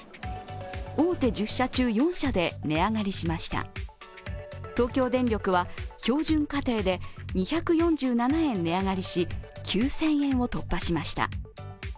大手１０社中４社で値上がりしました東京電力は標準家庭で２４７円値上がりし９０００円を突破しました。